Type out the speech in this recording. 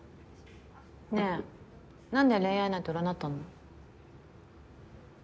ねえなんで恋愛なんて占ったの？